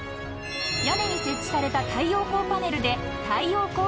［屋根に設置された太陽光パネルで］